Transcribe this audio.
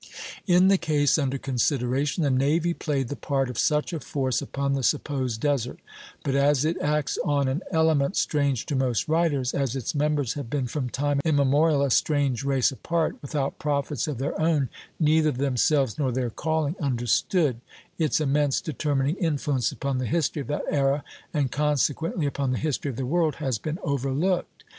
In the case under consideration, the navy played the part of such a force upon the supposed desert; but as it acts on an element strange to most writers, as its members have been from time immemorial a strange race apart, without prophets of their own, neither themselves nor their calling understood, its immense determining influence upon the history of that era, and consequently upon the history of the world, has been overlooked.